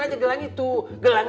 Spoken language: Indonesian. jauh berhaltungan suamaku